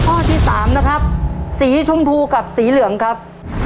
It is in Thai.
ข้อที่๓นะครับสีชมพูกับสีเหลืองครับ